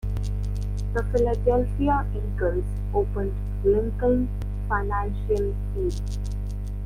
The Philadelphia Eagles opened Lincoln Financial Field.